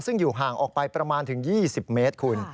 ซึ่งอยู่ห่างออกไปประมาณถึง๒๐เมตรคุณ